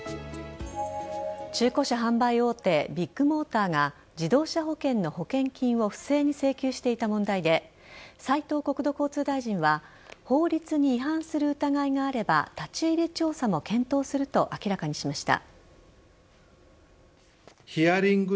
中古車販売大手ビッグモーターが自動車保険の保険金を不正に請求していた問題で斉藤国土交通大臣は法律に違反する疑いがあれば立ち入り調査も検討すると明らかにしました。